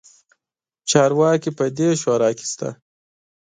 چارواکي په دې شورا کې شته.